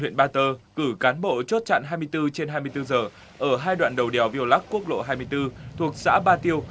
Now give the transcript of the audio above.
huyện ba tơ cử cán bộ trốt trặn hai mươi bốn trên hai mươi bốn giờ ở hai đoạn đầu đèo violac quốc lộ hai mươi bốn thuộc xã ba tiêu